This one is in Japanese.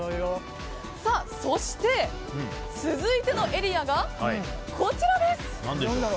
そして、続いてのエリアがこちらです！